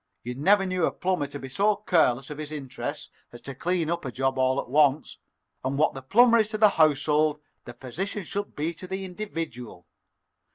You never knew a plumber to be so careless of his interests as to clean up a job all at once, and what the plumber is to the household, the physician should be to the individual.